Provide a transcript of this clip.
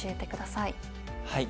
はい。